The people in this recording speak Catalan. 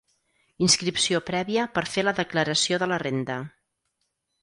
Inscripció prèvia per fer la declaració de la renda.